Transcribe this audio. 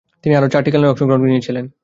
তিনি আরও চারটি খেলায় অংশ নিয়েছিলেন।